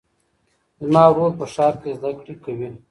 زما ورور په ښار کې زده کړې کوي.